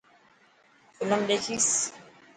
فلم ڏيکيس.